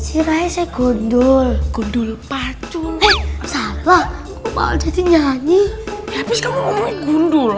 si raisnya gundul gundul pacu hei salah kok bakal jadi nyanyi habis kamu ngomong gundul